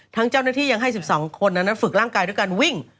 ทั้งเจ้าหน้าที่ยังให้๑๒คนนั้นฝึกร่างกายด้วยการวิ่ง